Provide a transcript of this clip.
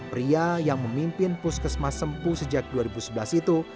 pria yang memimpin puskesmas sempu sejak dua ribu sebelas itu